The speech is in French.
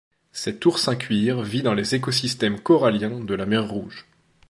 Cet oursin-cuir vit dans les écosystèmes coralliens de la mer Rouge.